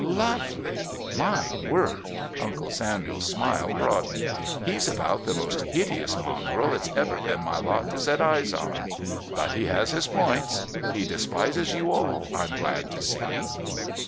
"Lovely. My word!" Uncle Samuel's smile broadened. "He's about the most hideous mongrel it's ever been my lot to set eyes on. But he has his points. He despises you all, I'm glad to see."